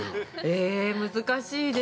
◆えぇ、難しいです。